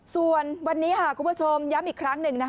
ส่วนวันนี้คุณผู้ชมย้ำอีกครั้งหนึ่ง